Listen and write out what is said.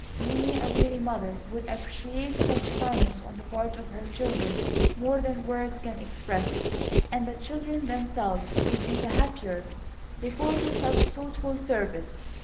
Many a weary mother would appreciate such kindness on the part of her children more than words can express, and the children themselves would be the happier because of such thoughtful service.